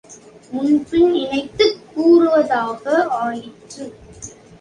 முன்பின் இணைத்துக் கூற வேண்டுவதாக ஆயிற்று.